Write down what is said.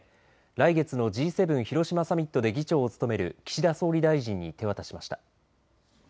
来月のＧ７広島サミットで議長を務める岸田総理大臣に手渡しました。